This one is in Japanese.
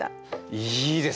いいです！